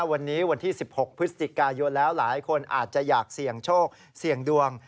วันนี้วันที่๑๖พฤศจิกายนแล้วหลายคนอาจจะอยากเสี่ยงโชคเสี่ยงดวง